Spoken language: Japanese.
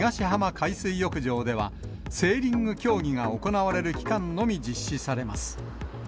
海水浴場では、セーリング競技が行われる期間のみ実施されます。